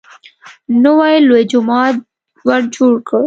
نوی لوی جومات ورجوړ کړ.